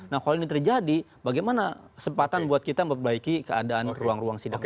nah kalau ini terjadi bagaimana kesempatan buat kita memperbaiki keadaan ruang ruang sidang itu